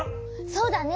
そうだね。